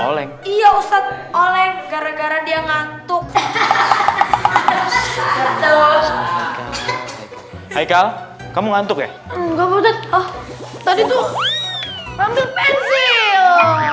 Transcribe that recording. oleng iya usat oleh gara gara dia ngantuk haikal kamu ngantuk ya enggak mau datang tadi tuh ngambil